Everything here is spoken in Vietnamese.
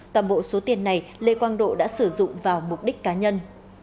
toàn bộ số tiền này lê quang độ đã sử dụng vào mục đích cá nhân